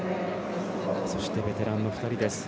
そして、ベテランの２人です。